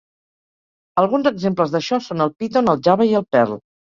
Alguns exemples d'això són el Python, el Java i el Perl.